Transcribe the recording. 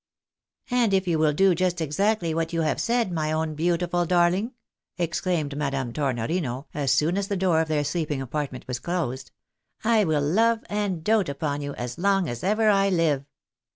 " And if you will do just exactly what you have said, my own beautiful darling," exclaimed Madame Tornorino, as soon as the door of their sleeping apartment was closed, " I wiU love and dote upon you as long as ever I hve.